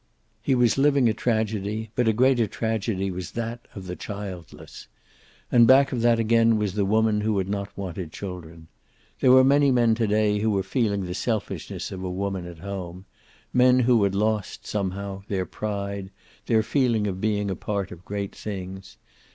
He was living a tragedy, but a greater tragedy was that of the childless. And back of that again was the woman who had not wanted children. There were many men to day who were feeling the selfishness of a woman at home, men who had lost, somehow, their pride, their feeling of being a part of great things.